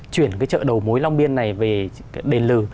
chuyển cái chợ đầu mối long biên này về đền lừ